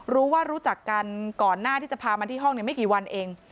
รู้จักกันก่อนหน้าที่จะพามาที่ห้องไม่กี่วันเอง